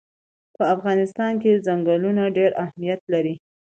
په افغانستان کې چنګلونه ډېر اهمیت لري.